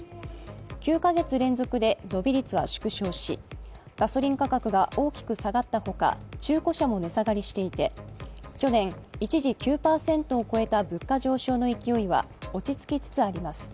９か月連続で伸び率は縮小し、ガソリン価格が大きく下がったほか中古車も値下がりしていて去年、一時９％を超えた物価上昇の勢いは落ち着きつつあります。